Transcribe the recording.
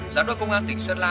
giám đốc công an tỉnh sơn la